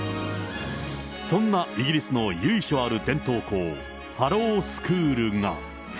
そんなイギリスの由緒ある伝統校、ハロウスクールが。